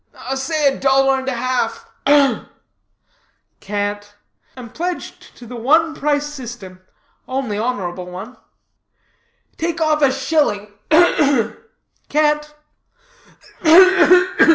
"Say a dollar and half. Ugh!" "Can't. Am pledged to the one price system, only honorable one." "Take off a shilling ugh, ugh!" "Can't."